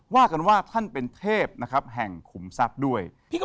ว่ากันว่าท่านเป็นเทพนะครับแห่งขุมทรัพย์ด้วย